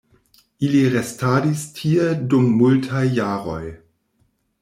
Ili restadis tie dum multaj jaroj.